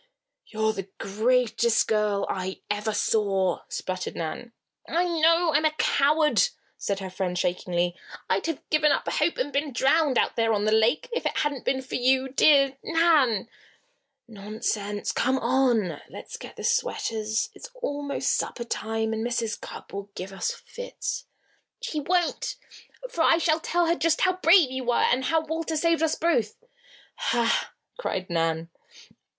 "You're the greatest girl I ever saw!" sputtered Nan. "I know I'm a coward," said her friend, shakingly. "I'd have given up all hope and been drowned, out there on the lake, if it hadn't been for you, dear Nan." "Nonsense! Come on! Let's get the sweaters. It's almost supper time and Mrs. Cupp will give us fits." "She won't, for I shall tell her just how brave you were, and how Walter saved us both." "Ha!" cried Nan.